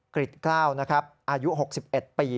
ริดกล้าวนะครับอายุ๖๑ปี